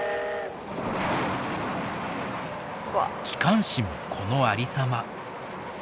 機関士もこのありさま。